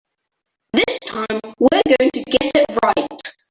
This time we're going to get it right.